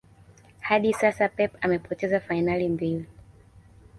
hadi sasa Pep amepoteza fainali mbili